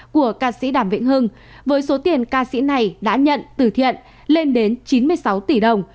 của ca sĩ đàm vĩnh hưng với số tiền ca sĩ này đã nhận từ thiện lên đến chín mươi sáu tỷ đồng